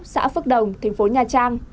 xã phước đồng tp nha trang